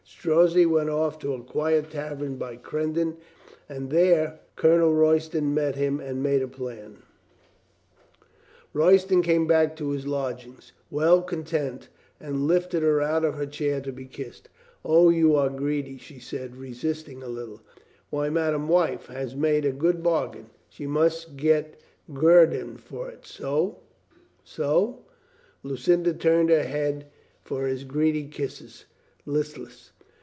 Strozzi went off to a quiet tavern by Crendon and there Colonel Royston met him and made a plan. 342 COLONEL GREATHEART Royston came back to his lodging well content, and lifted her out of her chair to be kissed. "O, you are greedy," she said, resisting a little. "Why, madame wife has made a good bargain. She must get guerdon for it. So. So." Lucinda turned her head for his greedy kisses, listless.